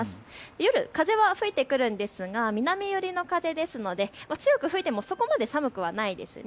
夜風は吹いてくるんですが南寄りの風ですので強く吹いてもそこまで寒くはないですね。